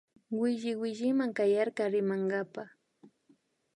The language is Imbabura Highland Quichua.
Williwilliwan kayarka rimankapa